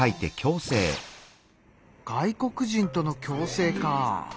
外国人との共生か。